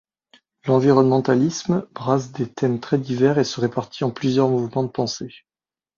L'environnementalisme brasse des thèmes très divers et se répartit en plusieurs mouvements de pensée.